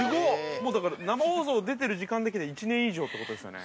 もう、だから生放送に出ている時間だけで１年以上ということですよね。